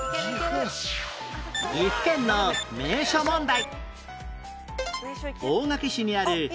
岐阜県の名所問題